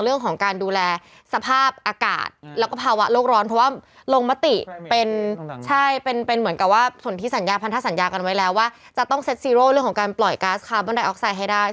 เรื่องของการปล่อยกัสคาร์บอนตายออกไซท์ให้ได้